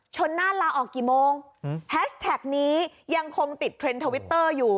ชนหน้าลาออกกี่โมงแฮชแท็กนี้ยังคงติดเทรนด์ทวิตเตอร์อยู่